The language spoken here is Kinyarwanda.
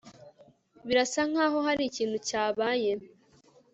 Birasa nkaho hari ikintu cyabaye